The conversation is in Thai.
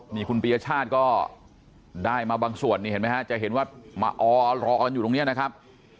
นี่คุณปียชาติก็ได้มาบางส่วนนี่เห็นไหมฮะจะเห็นว่ามาออรอกันอยู่ตรงนี้นะครับ